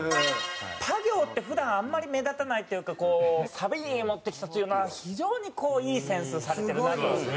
ぱ行って普段あんまり目立たないっていうかサビに持ってきたというのは非常にいいセンスされてるなと。